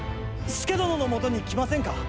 佐殿のもとに来ませんか。